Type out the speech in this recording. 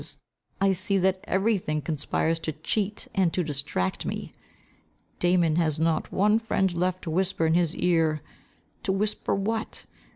I see, I see, that every thing conspires to cheat, and to distract me. Damon has not one friend left to whisper in his ear to whisper what?